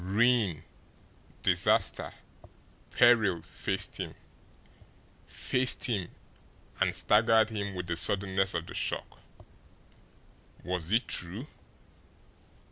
Ruin, disaster, peril faced him faced him, and staggered him with the suddenness of the shock. Was it true?